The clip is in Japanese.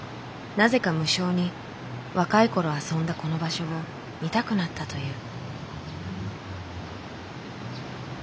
なぜか無性に若い頃遊んだこの場所を見たくなったという。